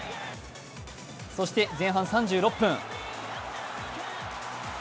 そして前半３６分。